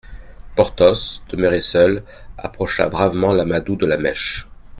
Porthos, demeuré seul, approcha bravement l'amadou de la mèche.